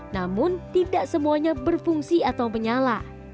namun tidak semuanya berfungsi atau menyala